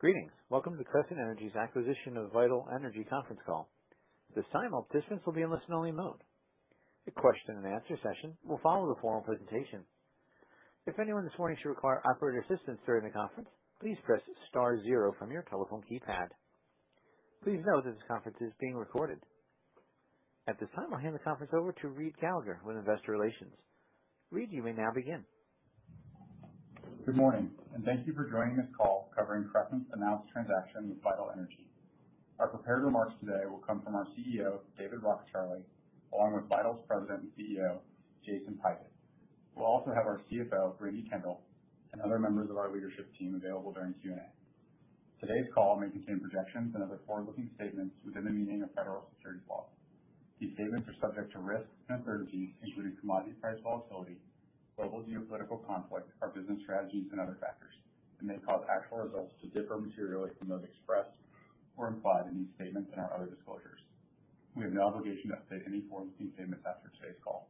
Greetings. Welcome to Crescent Energy's acquisition of Vital Energy conference call. This time, all participants will be in listen-only mode. The question and answer session will follow the formal presentation. If anyone this morning should require operator assistance during the conference, please press star zero from your telephone keypad. Please note that this conference is being recorded at this time. I'll hand the conference over to Reid Gallagher with Investor Relations. Reid, you may now begin. Good morning and thank you for joining this call covering Crescent's announced transaction with Vital Energy. Our prepared remarks today will come from our CEO David Rockecharlie along with Vital's President and CEO Jason Pigott. We'll also have our CFO Brandi Kendall and other members of our leadership team available during Q&A. Today's call may contain projections and other forward-looking statements within the meaning of federal securities law. These statements are subject to risks and uncertainties including commodity price volatility, global geopolitical conflict, our business strategies, and other factors and may cause actual results to differ materially from those expressed or implied in these statements and our other disclosures. We have no obligation to update any forward-looking statements after today's call.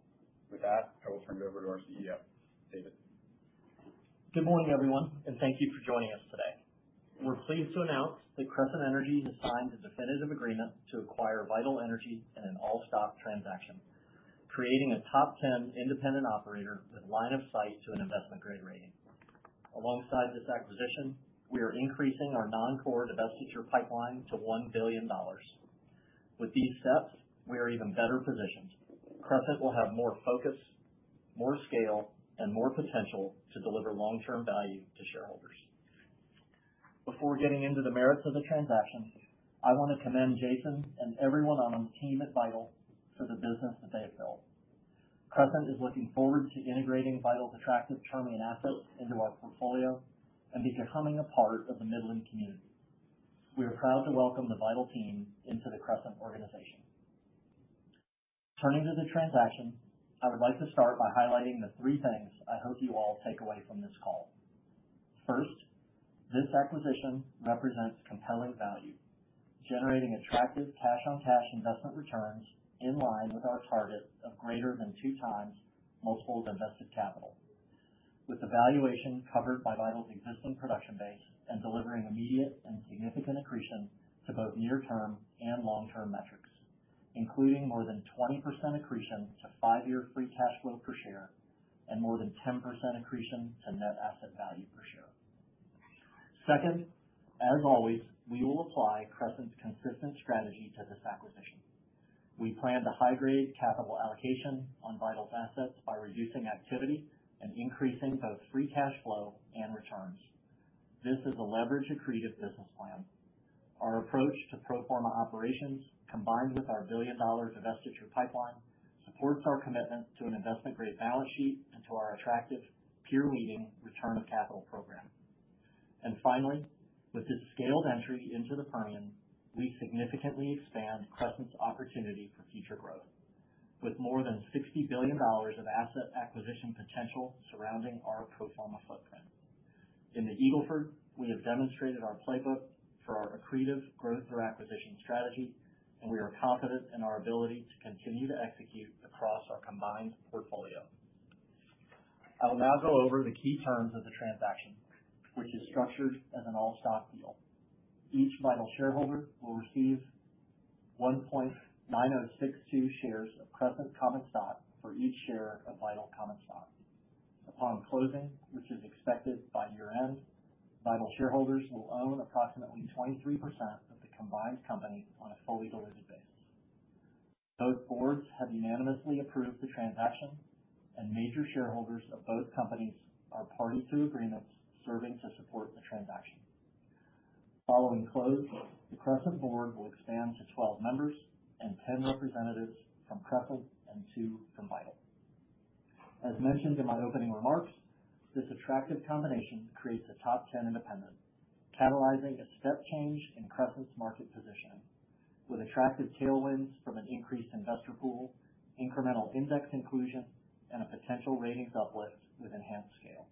With that, I will turn it over to our CEO David. Good morning everyone and thank you for joining us today. We're pleased to announce that Crescent Energy has signed a definitive agreement to acquire Vital Energy in an all-stock transaction, creating a top 10 independent operator with line of sight to an investment-grade rating. Alongside this acquisition, we are increasing our non-core divestiture pipeline to $1 billion. With these steps, we are even better positioned. Crescent will have more focus, more scale, and more potential to deliver long-term value to shareholders. Before getting into the merits of the transaction, I want to commend Jason and everyone on the team at Vital for the business that they have built. Crescent is looking forward to integrating Vital's attractive Permian assets into our portfolio and becoming a part of the Midland community. We are proud to welcome the Vital team into the Crescent organization. Turning to the transaction, I would like to start by highlighting the three things I hope you all take away from this call. First, this acquisition represents compelling value, generating attractive cash-on-cash investment returns in line with our target of greater than 2x multiple divested capital, with the valuation covered by Vital's existing production base and delivering immediate and significant accretion to both near-term and long-term metrics, including more than 20% accretion to five-year free cash flow per share and more than 10% accretion to net asset value per share. Second, as always, we will apply Crescent's consistent strategy to this acquisition. We plan to high-grade capital allocation on Vital's assets by reducing activity and increasing both free cash flow and returns. This is a leverage-accretive business plan. Our approach to pro forma operations, combined with our $1 billion divestiture pipeline, supports our commitment to an investment-grade balance sheet and to our attractive, peer-leading return of capital program. Finally, with its scaled entry into the Permian, we significantly expand Crescent's opportunity for future growth. With more than $60 billion of asset acquisition potential surrounding our pro forma footprint in the Eagle Ford, we have demonstrated our playbook for our accretive growth through acquisition strategy. We are confident in our ability to continue to execute across our combined portfolio. I will now go over the key terms of the transaction, which is structured as an all-stock deal. Each Vital shareholder will receive 1.9062 shares of Crescent common stock for each share of Vital common stock upon closing, which is expected by year-end. Vital shareholders will own approximately 23% of the combined company on a full legacy basis. Both boards have unanimously approved the transaction, and major shareholders of both companies are party to agreements serving to support the transaction. Following close, the Crescent board will expand to 12 members, with 10 representatives from Crescent and two from Vital. As mentioned in my opening remarks, this attractive combination creates a top 10 independent, catalyzing a step change in Crescent's market position. With attractive tailwinds from an increased investor pool, incremental index inclusion, and a potential ratings uplift with enhanced scale,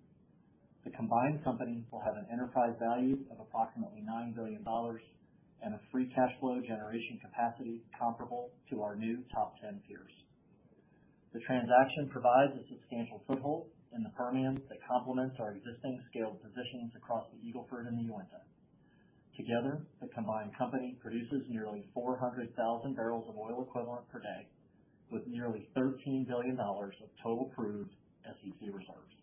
the combined company will have an enterprise value of approximately $9 billion and a free cash flow generation capacity comparable to our new top 10 peers. The transaction provides a substantial foothold in the Permian that complements our existing scaled positions across the Eagle Ford and Uinta. Together the combined company produces nearly 400,000 barrels of oil equivalent per day with nearly $13 billion of total proved SEC reserves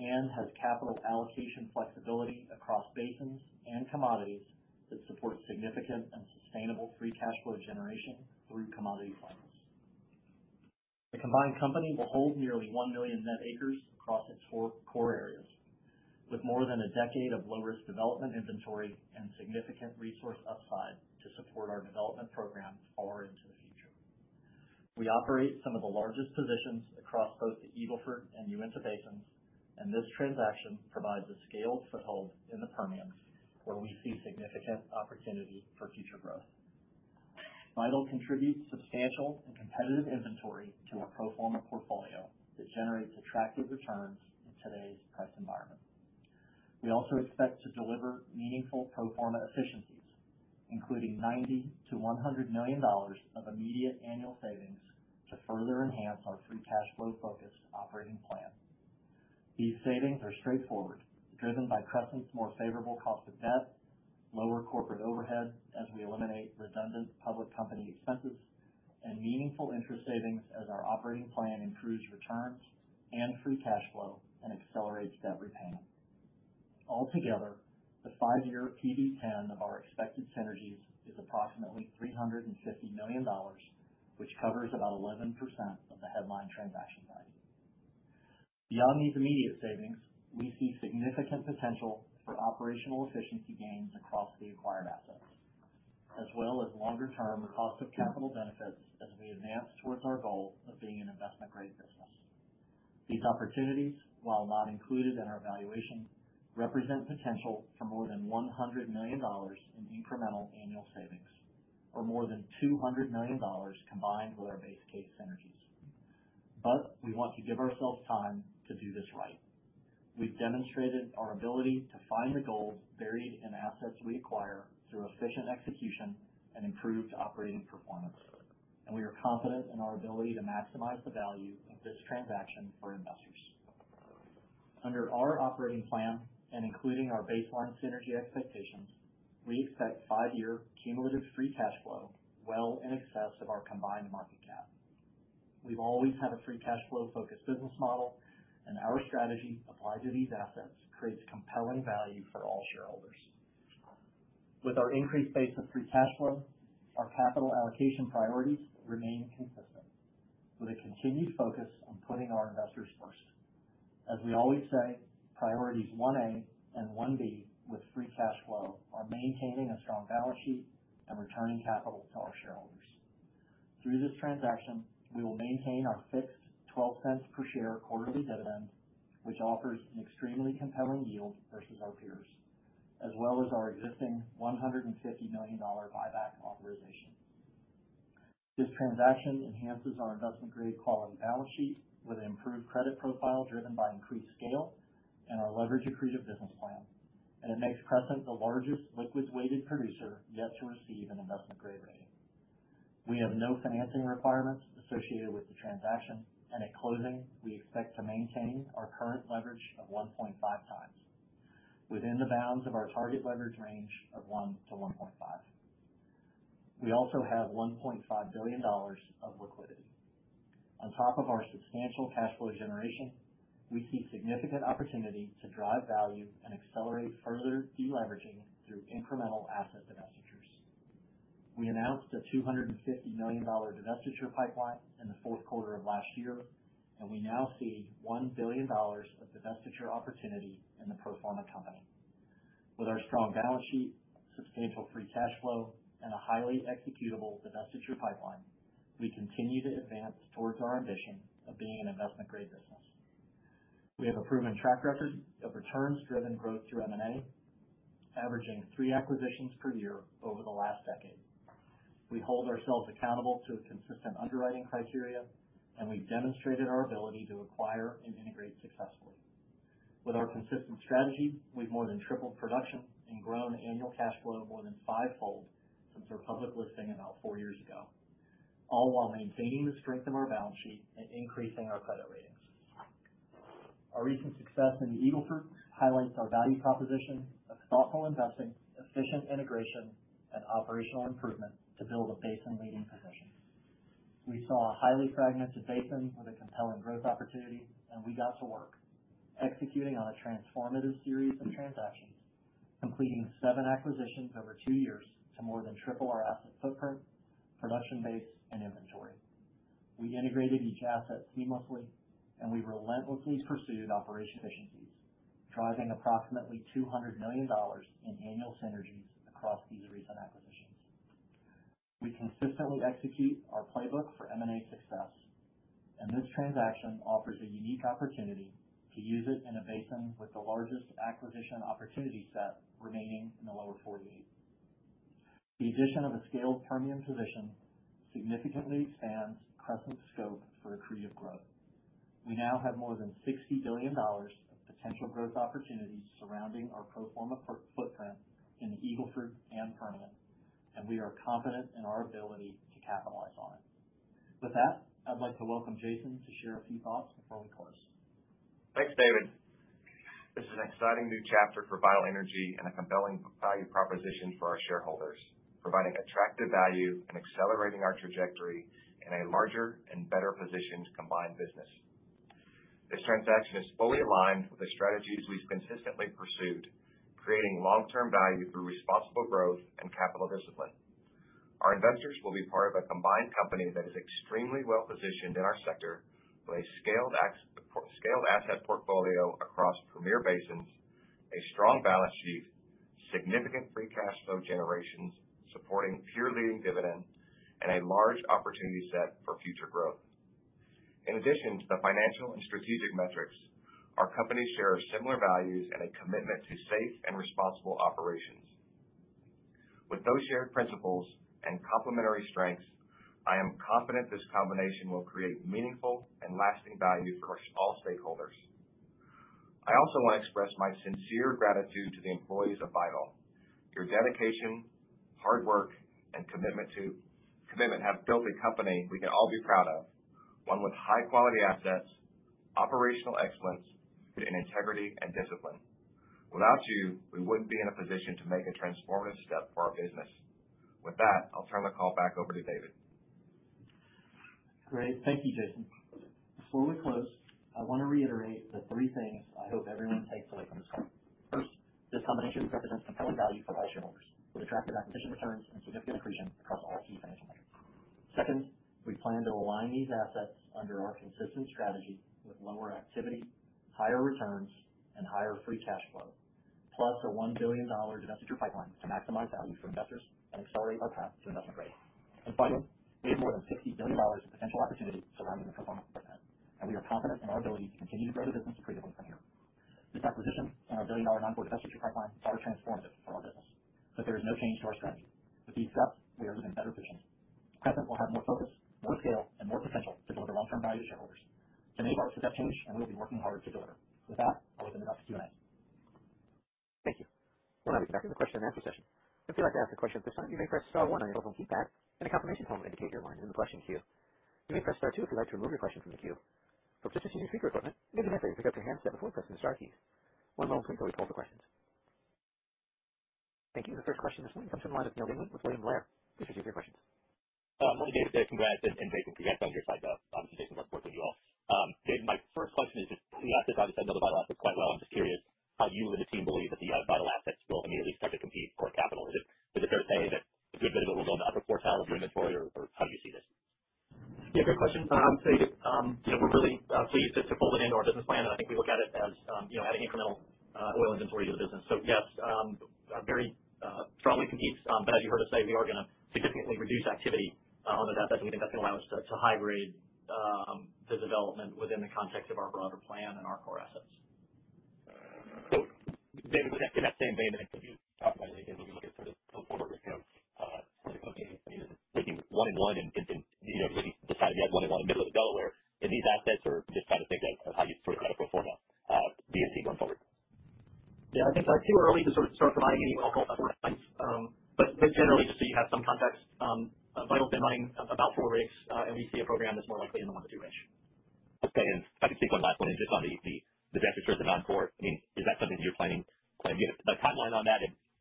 and has capital allocation flexibility across basins and commodities that support significant and sustainable free cash flow generation through commodity funds. The combined company will hold nearly 1 million net acres across its four core areas with more than a decade of low-risk development inventory and significant resource upside to support our development programs far into the future. We operate some of the largest positions across both the Eagle Ford and Uinta basins and this transaction provides a scaled foothold in the Permian where we see significant opportunity for future growth. Vital contributes substantial and competitive inventory to a pro forma portfolio that generates attractive returns in today's price environment. We also expect to deliver meaningful pro forma efficiencies including $90 million-$100 million of immediate annual savings to further enhance our free cash flow focused operating plan. These savings are straightforward, driven by Crescent's more favorable cost of debt, lower corporate overhead as we eliminate redundant public company expenses, and meaningful interest savings as our operating plan improves returns and free cash flow and accelerates debt repayment. Altogether, the five-year PD plan of our expected synergies is approximately $350 million which covers about 11% of the headline transaction value. Beyond these immediate savings, we see significant potential for operational efficiency gains across the acquired assets as well as longer-term cost of capital benefits as we advance towards our goal of being an investment-grade business. These opportunities, while not included in our valuation, represent potential for more than $100 million in decremental annual savings or more than $200 million combined with our base case synergies. We want to give ourselves time to do this right. We've demonstrated our ability to find the goals buried in assets we acquire through efficient execution and improved operating performance and we are confident in our ability to maximize the value of this transaction for investors. Under our operating plan and including our baseline synergy expectations, we expect five year cumulative free cash flow well in excess of our combined market cap. We've always had a free cash flow focused business model and our strategy applied to these assets creates compelling value for all shareholders. With our increased base of free cash flow, our capital allocation priorities remain consistent with a continued focus on putting our investors first. As we always say, priorities 1A and 1B with free cash flow are maintaining a strong balance sheet and returning capital to our shareholders. Through this transaction we will maintain our fixed $0.12 per share quarterly dividend, which offers an extremely compelling yield versus our peers, as well as our existing $150 million buyback authorization. This transaction enhances our investment-grade quality balance sheet with an improved credit profile driven by increased scale and our leverage accretive business plan, and it makes Crescent the largest liquids weighted producer yet to receive an investment-grade rating. We have no financing requirements associated with the transaction and at closing we expect to maintain our current leverage of 1.5x within the bounds of our target leverage range of 1x-1.5x. We also have $1.5 billion of liquidity on top of our substantial cash flow generation. We see significant opportunity to drive value and accelerate further deleveraging through incremental asset divestitures. We announced a $250 million divestiture pipeline in the fourth quarter of last year and we now see $1 billion of divestiture opportunity in the pro forma company. With our strong balance sheet, sustainable free cash flow and a highly executable divestiture pipeline, we continue to advance towards our ambition of being an investment-grade business. We have a proven track record of returns driven growth through M&A, averaging three acquisitions per year over the last decade. We hold ourselves accountable to a consistent underwriting criteria and we've demonstrated our ability to acquire and integrate successfully. With our consistent strategy, we have more than tripled production and grown annual cash flow more than five fold since our public listing about four years ago, all while maintaining the strength of our balance sheet and increasing our credit ratings. Our recent success in the Eagle Ford highlights our value proposition of stockholder investing, efficient integration, and operational improvement to build a basin-leading position. We saw a highly fragmented basin with a compelling growth opportunity, and we got to work executing on a transformative series of transactions, completing seven acquisitions over two years to more than triple our asset footprint, production base, and inventory. We integrated each asset seamlessly, and we relentlessly pursued operational efficiencies, driving approximately $200 million in annual synergies across these recent acquisitions. We consistently execute our playbook for M&A success, and this transaction offers a unique opportunity to use it in a basin with the largest acquisition opportunity set remaining in the lower 48. The addition of a scaled Permian position significantly expands Crescent's scope for accretive growth. We now have more than $60 billion of potential growth opportunities surrounding our pro forma footprint in Eagle Ford and Permian, and we are confident in our ability to capitalize on it. With that, I'd like to welcome Jason to share a few thoughts before we close. Thanks, David. This is an exciting new chapter for Vital Energy and a compelling value proposition for our shareholders, providing attractive value and accelerating our trajectory in a larger and better-positioned combined business. This transaction is fully aligned with a strategy we've consistently pursued, creating long-term value through responsible growth and capital discipline. Our investors will be part of a combined company that is extremely well positioned in our sector, with a scaled asset portfolio across premier basins, a strong balance sheet, significant free cash flow generation supporting peer-leading dividend, and a large opportunity set for future growth. In addition to the financial and strategic metrics, our company shares similar values and a commitment to safe and responsible operations. With those shared principles and complementary strengths, I am confident this combination will create meaningful and lasting value across all stakeholders. I also want to express my sincere gratitude to the employees of Vital. Your dedication, hard work, and commitment have built a company we can all be proud of, one with high-quality assets, operational excellence, integrity, and discipline. Without you, we wouldn't be in a position to make a transformative step for our business. With that, I'll turn the call back over to David. Great. Thank you, Jason. Before we close, I want to reiterate the three things I hope everyone takes. This combination represents the total value for last year holders, the attractive acquisition returns, and significantly impact. Second, we plan to align these assets under our consistent strategy with lower activities, higher returns, and higher free cash flow. Plus, a $1 billion divestiture pipeline to maximize values from assets and accelerate our path to investment-grade. Finally, we have more than a billion dollars of potential opportunity surrounding the fulfillment, and we are confident in our ability to continue to grow the business creatively from here. The capital system from our billion dollar onboard divestiture pipeline is transformative for our business. There is no change to our strategy. With these steps, we are even better positioned. Crescent will have no fillers, more clear and more potential to deliver long-term values to holders to make bars to have changed, and we'll be working hard to deliver. With that, I'll open it up to Q&A. Thank you. My name is Beckett. Question and answer session. If you'd like to ask a question at this time, you may press star one on your telephone keypad and a confirmation tone will indicate your line is in the question queue. You may press star two if you'd like to remove your question from the queue. For positioning your speaker equipment, leave the message, [accept your handset] before pressing the star keys. One moment, we'll complete all for questions. Thank you. The third question is shortly come to the line of Neal Dingmann from William Blair. Please [state] your questions. Dave, congrats and [thanks] [We have some good side. Obviously,] you all. My first question is just the asset value assets. Quite well. I'm just curious, how do you and the team believe that the Vital assets both immediately start to compete for capital? Is it fair to say that will go for a midpoint or how do you see this? Yeah, good question. We're really pleased to pull it into our business plan. I think we look at it as, you know, adding incremental oil inventory to the business. So yes, very probably compete. As you heard us say, we are going to significantly reduce activity on the depth. We think that's going to allow us to hybrid the development within the context of our broader plan and our core assets, one in one, and you know, decided you had one in one in the middle of the Delaware. These assets are just kind of thinking of how you sort out a pro forma DNC going forward. It's just too early to start providing any helpful points, but generally, just so you have some context, Vital ran about four rigs, and we see a program that's more likely in the 1-2 range. I can take one last point, just on the divestitures for the non-core. Is that something that you're finding a hotline on, and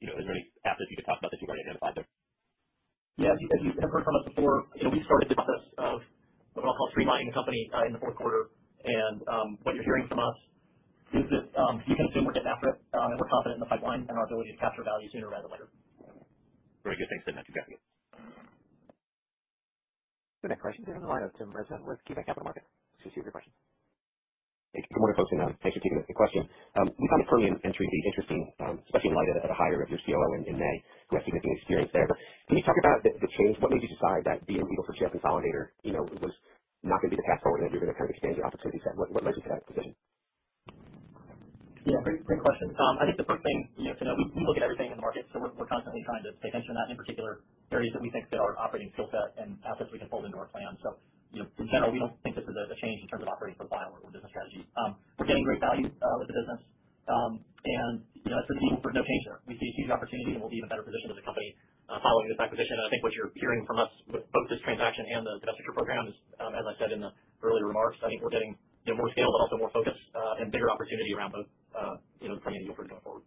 is there any assets you could talk about that you've already identified? Have we started the company the in the fourth quarter, and what you're hearing from us is we're confident in the pipeline and our ability to capture value sooner rather than later. Very good, thanks Your next question is in the line of Tim Rezvan with KeyBanc Capital Markets. Thanks for keeping the question. We've got a Permian entering the interest and splitting light at a higher of your COO in May, recognizing we see right there. Can you talk about the change, what made you decide that being legal for a consolidator is just not going to be the path forward every bit of time? We're constantly trying to pay attention to that, in particular areas that we think fit our operating skill set and assets we can fold indoors. From general, we don't think this is a change in terms of operating profile or business strategies. We're getting great value with the business, and that's looking for no change there. We see some facing, and we're even better positioned as a company following this acquisition. I think what you're hearing from us with both this transaction and the program is, as I said in the earlier remarks, I think we're getting more scale but also more focused and bigger opportunity around both financial going forward.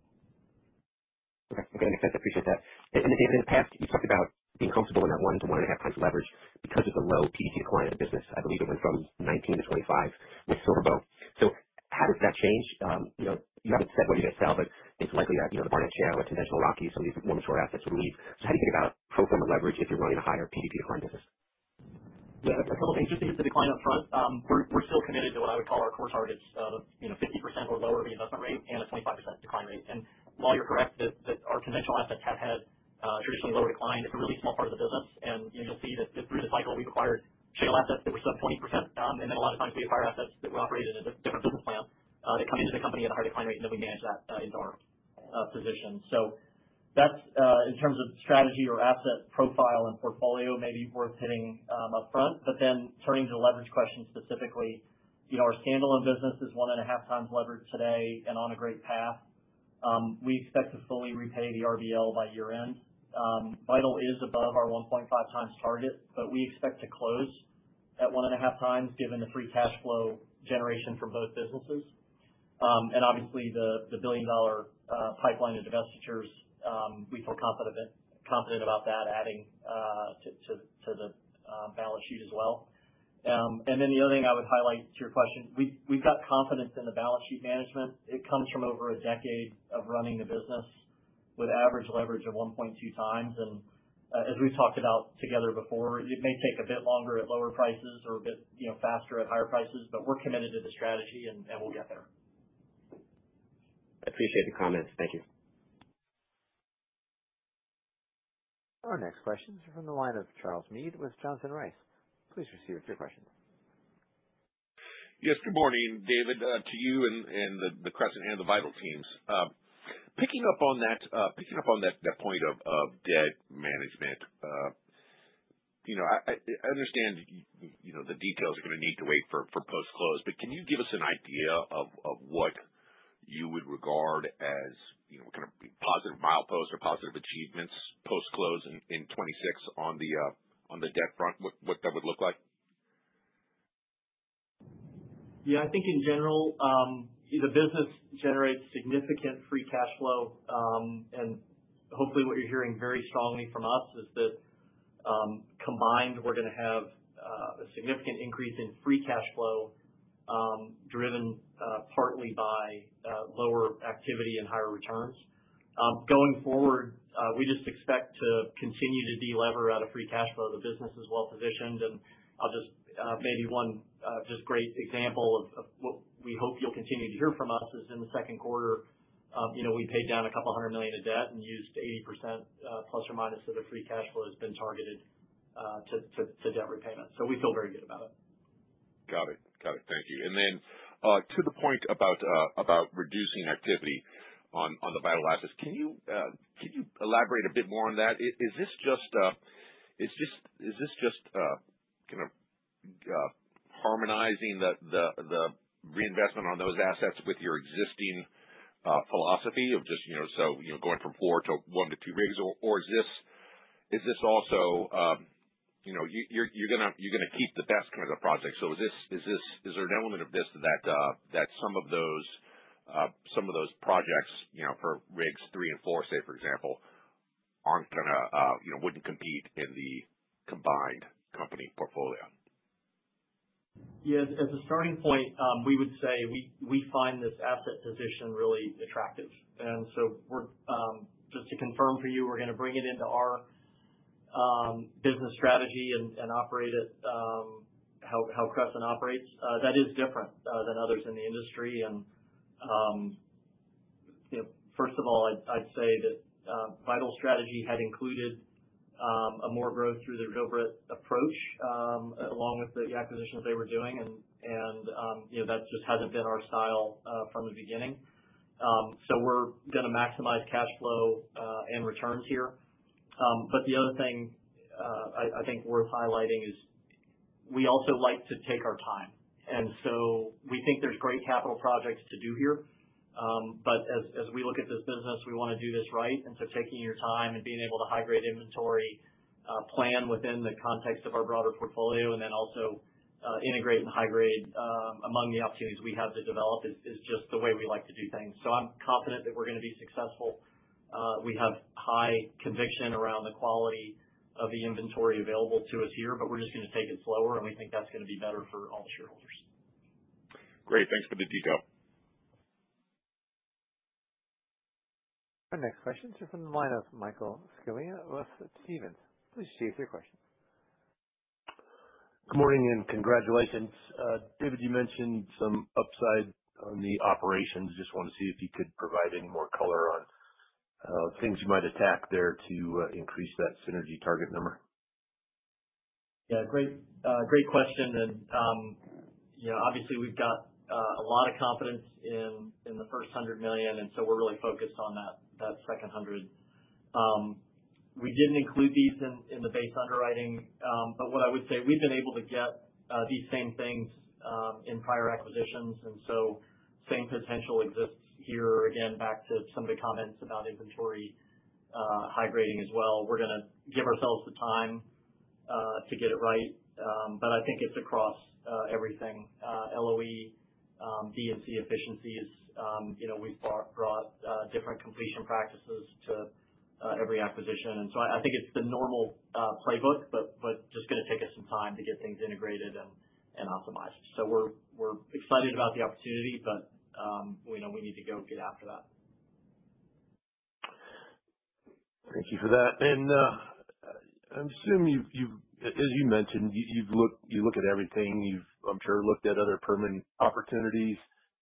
I appreciate that, David. In the past, you talked about being comfortable in that one to one that had plenty of leverage because of the low PC-oriented business. I believe it went from 1.9-2.5 with Silver Bow. How does that change? You haven't told what you're going to sell, but it's likely that you're the part of share which is Milwaukee. So you won short assets. How do you think about fulfillment leverage if you're willing to hire PDP just to get the decline up front? We're still committed to what I would call our core targets of 50% or lower the investment rate and a 25% decline rate. While you're correct our conventional assets have had reasonably low decline, it's a really small part of the business and you'll see that through the cycle we've acquired shale assets that were sub 20%. A lot of times we acquire assets that were operated at a different business plan, come into the company at a high decline rate and then we manage that in our position. That's in terms of strategy or asset profile and portfolio, may be worth hitting up front. Turning to the leverage question specifically, our standalone business is 1.5x leveraged today and on a great path. We expect to fully repay the RDL by year end. Vital is above our 1.5x target, but we expect to close at 1.5x. Given the free cash flow generation for both businesses and obviously the $1 billion pipeline of divestitures, we feel confident about that adding to the balance sheet as well. The other thing I would highlight to your question, we've got confidence in the balance sheet management. It comes from over a decade of running the business with average leverage of 1.2x. As we talked about together before, it may take a bit longer at lower prices or a bit faster at higher prices. We're committed to the strategy and we'll get there. I appreciate the comments. Thank you. Our next questions are from the line of Charles Meade with Johnson Rice. Please proceed with your question. Yes, good morning David, to you and the Crescent and the Vital teams. Picking up on that, picking up on that point of debt management. I understand the details are going to need to wait for post close, but can you give us an idea of what you would regard as kind of positive milepost or positive achievements post close in 2026 on the debt front, what that would look like? I think in general the business generates significant free cash flow and hopefully what you're hearing very strongly from us is that combined we're going to have a significant increase in free cash flow driven partly by lower activity and higher returns going forward. We just expect to continue to delever out of free cash flow. The business is well positioned and I'll just maybe one just great example of what we hope you'll continue to hear from us is in the second quarter, you know, we paid down a couple hundred million of debt and used 80% plus or minus of the free cash flow has been targeted to debt repayment. We feel very good about it. Got it, got it. Thank you. To the point about reducing activity on the biolasis, can you elaborate a bit more on that? Is this just kind of harmonizing the reinvestment on those assets with your existing philosophy of this, you know, going from four to one to two rigs? Is this also, you know, you are going to keep the best kind of project? Is there an element of this that some of those projects, you know, for rigs three and four, say for example, aren't going to, you know, wouldn't compete in the combined company portfolio? Yes. As a starting point, we would say we find this asset position really attractive. Just to confirm for you, we're going to bring it into our business strategy and operate it how Crescent operates, that is different than others in the industry. First of all, I'd say that Pridal strategy had included a more growth through the drillbit approach along with the acquisitions they were doing. That just hasn't been our style from the beginning. We're going to maximize cash flow and returns here. The other thing I think worth highlighting is we also like to take our time and we think there's great capital projects to do here. As we look at this business, we want to do this right. Taking your time and being able to high grade inventory plan within the context of our broader portfolio and then also integrate and high grade among the opportunities we have to develop is just the way we like to do things. I'm confident that we're going to be successful. We have high conviction around the quality of the inventory available to us here, but we're just going to take it slower and we think that's going to be better for all shareholders. Great, thanks for the detail. Our next questions are from the line of Michael Scallia with Stephens, please. Please state your question. Good morning and congratulations. David, you mentioned some upside on the operations. Just want to see if you could provide any more color on things you might attack there to increase that synergy target number. Great question. Obviously we've got a lot of confidence in the first $100 million and we're really focused on that second $100 million. We didn't include these in the base underwriting, but what I would say is we've been able to get these same things in prior acquisitions and the same potential exists here. Back to some of the comments about inventory high grading as well. We're going to give ourselves the time to get it right, but I think it's across everything, LOE, BMC efficiencies. We've brought different completion practices to every acquisition and I think it's the normal playbook, just going to take us some time to get things integrated and optimized. We're excited about the opportunity, but we know we need to go get after that. Thank you for that. I assume, as you mentioned, you look at everything. I'm sure you've looked at other Permian opportunities.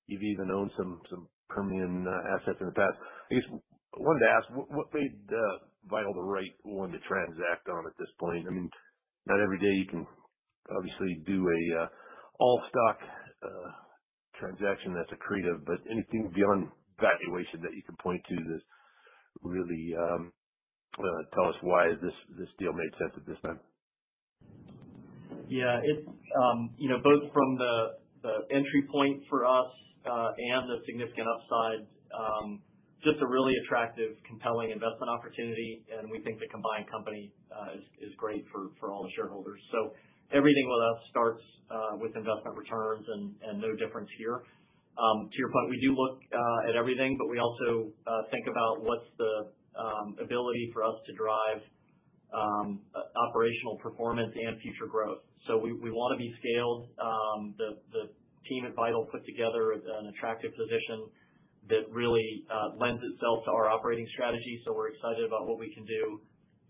You've even owned some Permian assets in the past. I wanted to ask what made Vital the right one to transact on at this point? Not every day you can do an all stock transaction that's accretive, but anything beyond valuation that you can point to that really tells us why this deal made sense at this time? It's both from the entry point for us and the significant upside. Just a really attractive, compelling investment opportunity and we think the combined company is great for all the shareholders. Everything with us starts with investment returns and no difference here. To your point, we do look at everything, but we also think about what's the ability for us to drive operational performance and future growth. We want to be scaled. The team at Vital put together an attractive position that really lends itself to our operating strategy. We're excited about what we can do,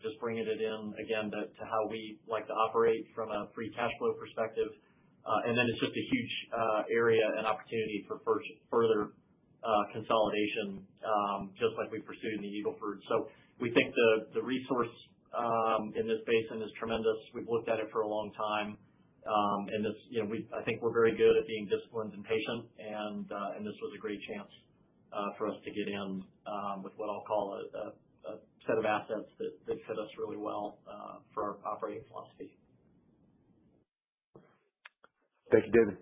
just bringing it in again to how we like to operate from a free cash flow perspective. It's a huge area and opportunity for further consolidation, just like we pursued in the Eagle Ford. We think the resource in this basin is tremendous. We've looked at it for a long time and it's, you know, I think we're very good at being disciplined and patient and this was a great chance for us to get in with what I'll call a set of assets that fit us really well for our operating philosophy. Thank you, David.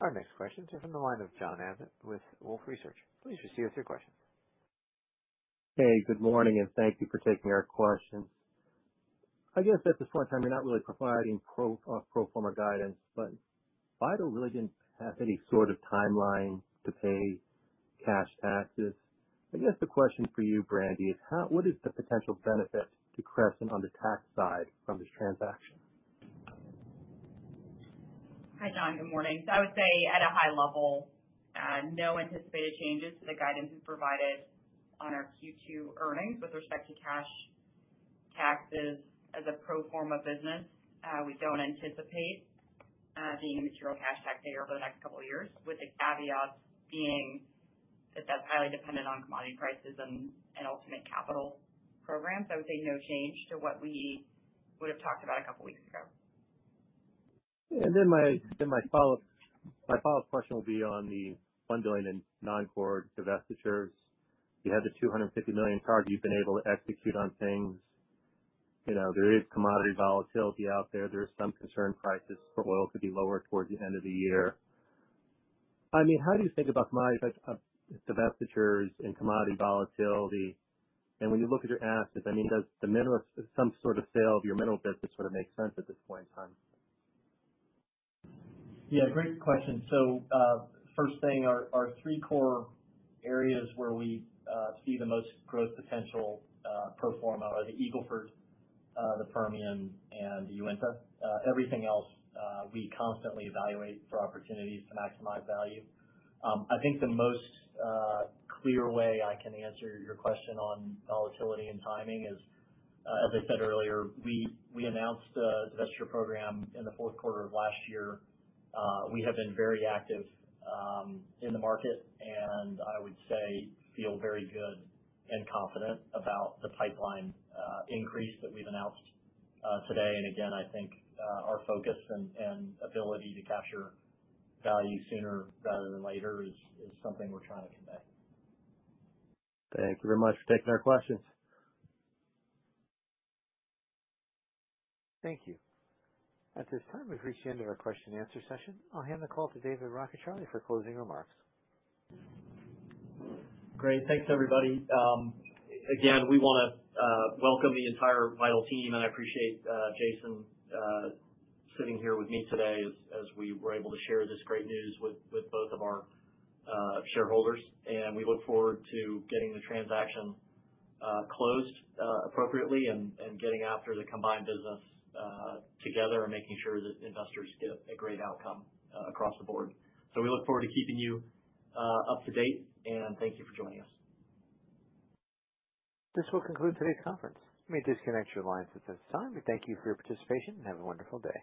Our next question is in the line of John Abbott with Wolfe Research. Please [receive us] your questions. Hey, good morning and thank you for taking our question. I guess at this point in time you're not really providing pro forma guidance, but Vital really didn't have any sort of timeline to pay cash taxes. I guess the question for you, Brandi, is what is the potential benefit decreasing on the tax side from this transaction? Hi, John. Good morning. I would say at a high level, no anticipated changes to the guidance we've provided on our Q2 earnings with respect to cash taxes. As a pro forma business, we don't anticipate being material cash pay over the next couple of years. The caveats being that that's highly dependent on commodity prices and ultimate capital programs. I would say no change to what we would have talked about a couple weeks ago. My follow up question will be on the bundling and non-core divestitures. You have the $250 million card you've been able to execute on things. There is commodity volatility out there. There's some concern prices for oil to be lower towards the end of the year. How do you think about commodity divestitures and commodity volatility? When you look at your assets, does the mineral, some sort of sale of your mineral business sort of make sense at this point in time? Yeah, great question. First thing, our three core areas where we see the most growth potential pro forma are the Eagle Ford, the Permian and Uinta. Everything else we constantly evaluate for opportunities to maximize value. I think the most clear way I can answer your question on volatility and timing is as I said earlier, we announced the divestiture program in the fourth quarter of last year. We have been very active in the market and I would say feel very good and confident about the pipeline increase that we've announced today. I think our focus and ability to capture value sooner rather than later is something we're trying to convey. Thank you very much for taking our questions. Thank you. At this time we've reached the end of our question and answer session. I'll hand the call to David Rockecharlie for closing remarks. Great. Thanks everybody. Again, we want to welcome the entire Vital team and I appreciate Jason sitting here with me today as we were able to share this great news with both of our shareholders. We look forward to getting the transaction closed appropriately and getting after the combined business together, making sure that investors get a great outcome across the board. We look forward to keeping you up to date and thank you for joining us. This will conclude today's conference. You may disconnect your lines at this time. We thank you for your participation and have a wonderful day.